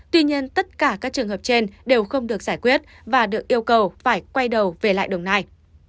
tuy nhiên tất cả các trường hợp trên đều không được giải quyết và được yêu cầu phải quay đầu về lại đồng nai